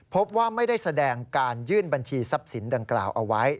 พบว่าไม่ได้แสดงการยื่นบัญชีทรัพย์สินดังกล่าวเอาไว้